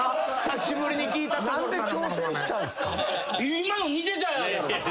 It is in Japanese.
今の似てたやろ。